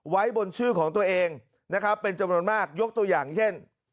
ไว้บนชื่อของตัวเองนะครับเป็นจำนวนมากยกตัวอย่างเช่น